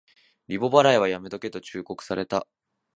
リボ払いはやめとけと忠告された